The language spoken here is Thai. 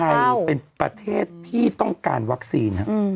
ไทยเป็นประเทศที่ต้องการวัคซีน